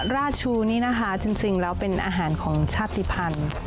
ราชูนี่นะคะจริงแล้วเป็นอาหารของชาติภัณฑ์